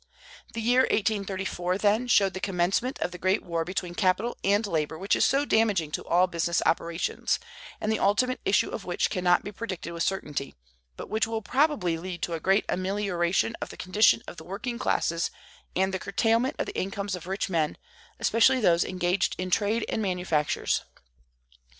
The year 1834, then, showed the commencement of the great war between capital and labor which is so damaging to all business operations, and the ultimate issue of which cannot be predicted with certainty, but which will probably lead to a great amelioration of the condition of the working classes and the curtailment of the incomes of rich men, especially those engaged in trade and manufactures.